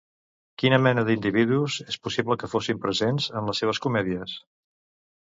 Quina mena d'individus és possible que fossin presents en les seves comèdies?